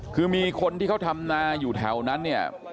คือมีคนที่เขาทำนาอยู่แถวนั้นเนี่ย